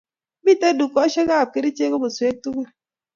Mitei dukeshek ab kerichek komaswek tukul